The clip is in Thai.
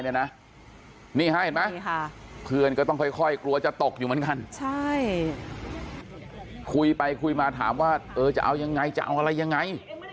นี่ฮะเห็นไหมเพื่อนก็ต้องค่อยกลัวจะตกอยู่เหมือนกันใช่คุยไปคุยมาถามว่าเออจะเอายังไงจะเอาอะไรยังไง